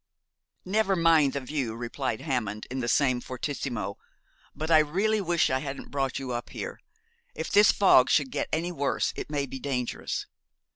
'Never mind the view,' replied Hammond in the same fortissimo, 'but I really wish I hadn't brought you up here. If this fog should get any worse, it may be dangerous.'